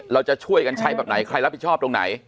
เราจะช่วยกันใช้แบบไหนใครรับผิดชอบตรงไหน